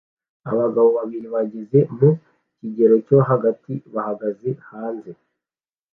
Abagabo babiri bageze mu kigero cyo hagati bahagaze hanze